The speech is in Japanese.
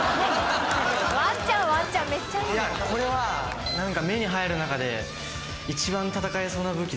これは目に入る中で。